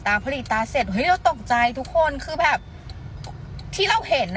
ตาพอหลีกตาเสร็จเฮ้ยเราตกใจทุกคนคือแบบที่เราเห็น